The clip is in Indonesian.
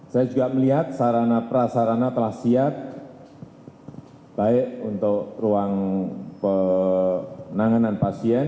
saya juga melihat sarana prasarana telah siap baik untuk ruang penanganan pasien